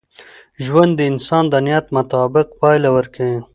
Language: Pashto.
ژوند د انسان د نیت مطابق پایله ورکوي.